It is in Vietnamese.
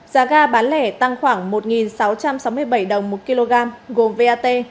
giá ga bán lẻ tăng khoảng một sáu trăm sáu mươi bảy đồng một kg gồm vat